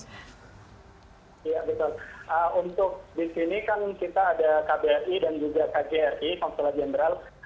iya betul untuk di sini kan kita ada kbri dan juga kjri konsulat jenderal